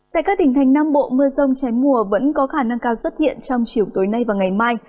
tại các tỉnh thành nam bộ mưa rông trái mùa vẫn có khả năng cao xuất hiện trong chiều tối nay và ngày mai